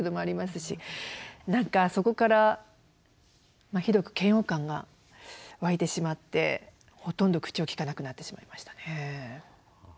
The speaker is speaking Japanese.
何かそこからひどく嫌悪感が湧いてしまってほとんど口をきかなくなってしまいましたね。